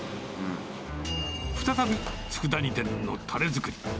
再び、つくだ煮店のたれ作り。